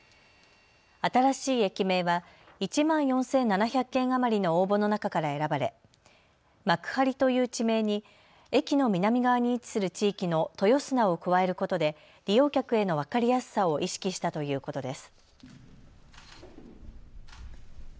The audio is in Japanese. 新しい駅名は１万４７００件余りの応募の中から選ばれ幕張という地名に駅の南側に位置する地域の豊砂を加えることで利用客への分かりやすさを意識したということです。